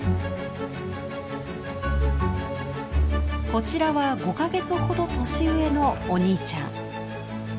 こちらは５か月ほど年上のお兄ちゃん。